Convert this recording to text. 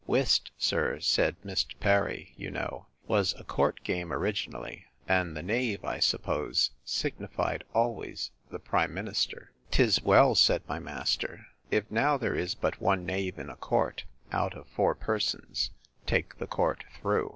Whist, sir, said Mr. Perry, you know, was a court game originally; and the knave, I suppose, signified always the prime minister. 'Tis well, said my master, if now there is but one knave in a court, out of four persons, take the court through.